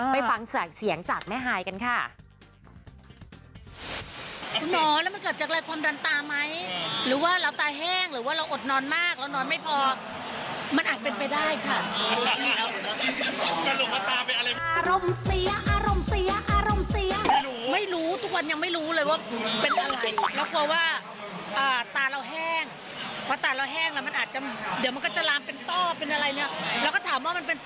ไปฟังเสียงจากแม่ฮายกันค่ะ